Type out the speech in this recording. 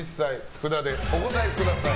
札でお答えください。